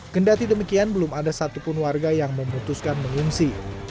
kendati demikian belum ada satupun warga yang memutuskan mengungsi